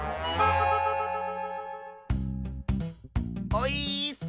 オイーッス！